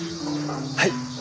はい。